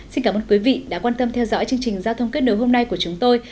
xin cảm ơn quý vị đã quan tâm theo dõi chương trình giao thông kết nối hôm nay của chúng tôi